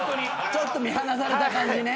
ちょっと見放された感じね。